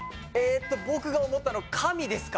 僕が思ったの「神」ですか？